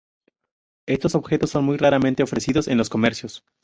Estos objetos son muy raramente ofrecidos en los comercios.